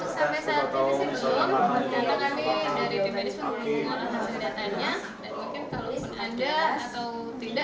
sampai saat ini sih karena kami dari tim edis pun belum mengulang